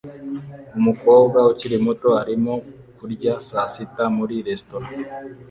Umukobwa ukiri muto arimo kurya saa sita muri resitora